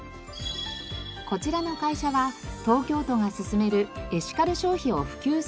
こちらの会社は東京都が進めるエシカル消費を普及させる取り組み